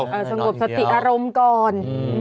สงบสติอารมณ์ก่อน